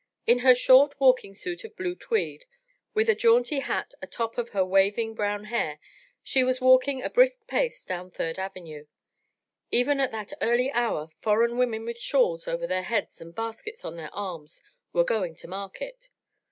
In her short walking suit of blue tweed, with a jaunty hat atop of her waving brown hair, she was walking a brisk pace down Third Avenue. Even at that early hour foreign women with shawls over their heads and baskets on their arms were going to market.